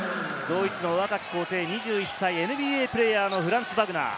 ドイツの若き皇帝、２１歳ＮＢＡプレーヤーのフランツ・バグナー。